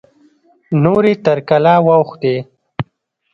نورې تر کلا واوښتې.